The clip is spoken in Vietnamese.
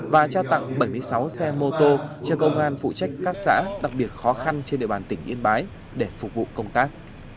và trao tặng bảy mươi sáu xe mô tô cho công an phụ trách các xã đặc biệt khó khăn trên địa bàn tỉnh yên bái để phục vụ công tác